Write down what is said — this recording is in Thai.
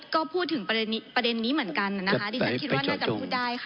ก็พูดถึงประเด็นนี้เหมือนกันนะคะดิฉันคิดว่าน่าจะพูดได้ค่ะ